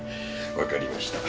わかりました。